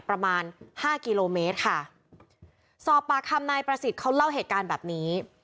ประมาณห้ากิโลเมตรค่ะสอบปากคำนายประสิทธิ์เขาเล่าเหตุการณ์แบบนี้